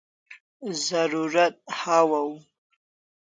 Zarurat hawaw